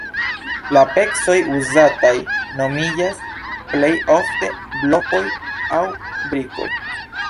La pecoj uzataj nomiĝas plej ofte blokoj aŭ brikoj.